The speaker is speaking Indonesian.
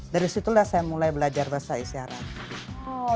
dari situlah saya mulai belajar bahasa isyarat